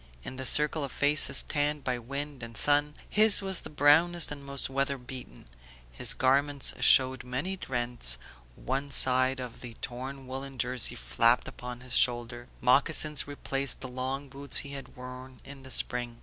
In the circle of faces tanned by wind and sun, his was the brownest and most weather beaten; his garments showed many rents, one side of the torn woollen jersey flapped upon his shoulder, moccasins replaced the long boots he had worn in the spring.